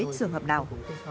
sường hợp nào